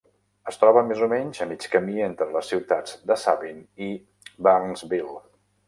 Es troba més o menys a mig camí entre les ciutats de Sabin i Barnesville.